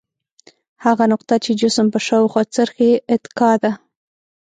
هغه نقطه چې جسم په شاوخوا څرخي اتکا ده.